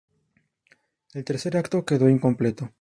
El tercer acto quedó incompleto.